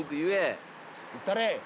いったれ！